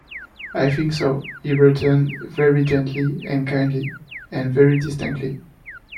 "I think so," he returned very gently, and kindly, and very distinctly.